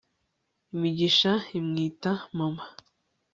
imigisha imwita mama